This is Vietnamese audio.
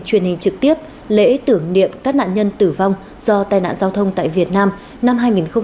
truyền hình trực tiếp lễ tưởng niệm các nạn nhân tử vong do tai nạn giao thông tại việt nam năm hai nghìn một mươi chín